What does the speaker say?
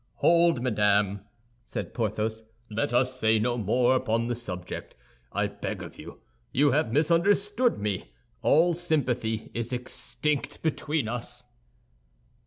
"Hold, madame," said Porthos, "let us say no more upon the subject, I beg of you. You have misunderstood me, all sympathy is extinct between us."